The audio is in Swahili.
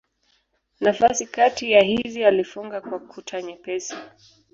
Nafasi kati ya hizi alifunga kwa kuta nyepesi.